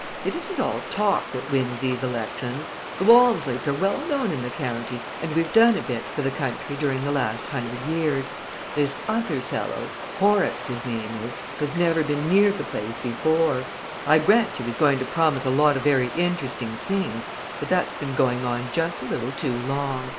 It isn't all talk that wins these elections. The Walmsleys are well known in the county and we've done a bit for the country during the last hundred years. This other fellow Horrocks, his name is has never been near the place before. I grant you he's going to promise a lot of very interesting things, but that's been going on just a little too long.